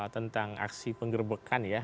tentang aksi penggerbekan